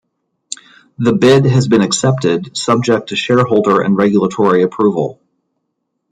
The bid has been accepted subject to shareholder and regulatory approval.